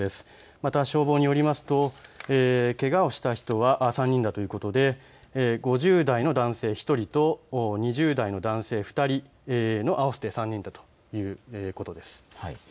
また消防によりますとけがをした人は３人だということで５０代の男性１人と２０代の男性２人の合わせて３人だということです。